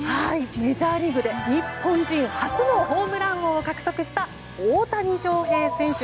メジャーリーグで日本人初のホームラン王を獲得した大谷翔平選手。